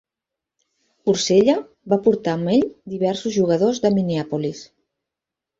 Ursella va portar amb ell diversos jugadors de Minneapolis.